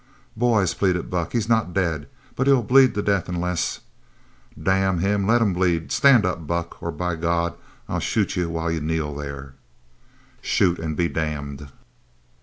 "Boys!" pleaded Buck, "he's not dead, but he'll bleed to death unless " "Damn him, let him bleed. Stand up, Buck, or by God I'll shoot you while you kneel there!" "_Shoot and be damned!